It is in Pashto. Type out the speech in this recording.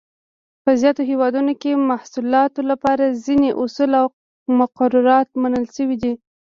په زیاتو هېوادونو کې د محصولاتو لپاره ځینې اصول او مقررات منل شوي دي.